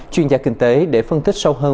chuyên gia kinh tế để phân tích sâu hơn